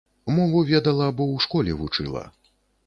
Мову ведала, бо ў школе вучыла.